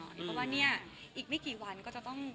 เพราะว่าเนี่ยอีกไม่กี่วันก็จะต้อง